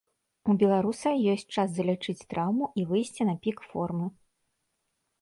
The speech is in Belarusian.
У беларуса ёсць час залячыць траўму і выйсці на пік формы.